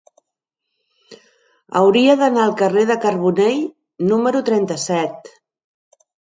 Hauria d'anar al carrer de Carbonell número trenta-set.